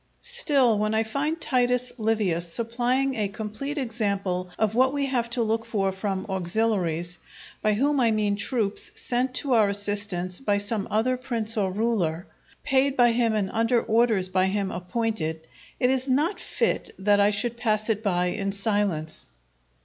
Still when I find Titus Livius supplying a complete example of what we have to look for from auxiliaries, by whom I mean troops sent to our assistance by some other prince or ruler, paid by him and under officers by him appointed, it is not fit that I should pass it by in silence.